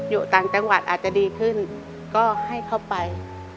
อยู่ต่างจังหวัดอาจจะดีขึ้นก็ให้เข้าไป